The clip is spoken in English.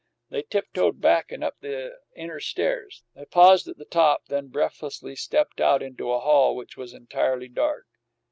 They tiptoed back, and up the inner stairs. They paused at the top, then breathlessly stepped out into a hall which was entirely dark.